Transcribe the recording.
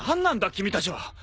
君たちは！